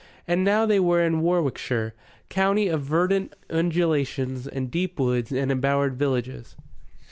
And now they were in Warwickshire, county of verdant undulations and deep woods and embowered villages.